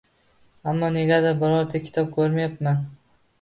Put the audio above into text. Ammo negadir birorta kitob ko‘rmayapman.